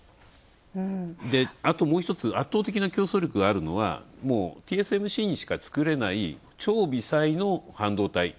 あともう一つ、圧倒的な競争力があるのがＴＳＭＣにしか作れない、超微細の半導体。